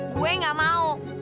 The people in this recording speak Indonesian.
gue gak mau